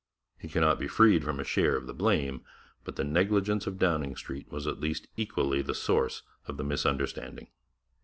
He cannot be freed from a share of the blame, but the negligence of Downing Street was at least equally the source of the misunderstanding.